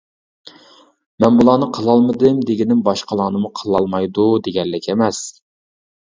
مەن بۇلارنى قىلالمىدىم دېگىنىم باشقىلارنىمۇ قىلالمايدۇ دېگەنلىك ئەمەس.